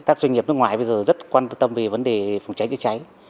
các doanh nghiệp nước ngoài bây giờ rất quan tâm về vấn đề phòng cháy chữa cháy